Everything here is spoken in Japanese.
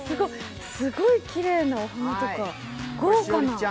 すごいきれいなお花とか、栞里ちゃん